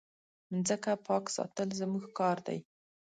مځکه پاک ساتل زموږ کار دی.